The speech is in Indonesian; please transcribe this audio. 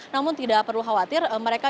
namun tidak perlu khawatir mereka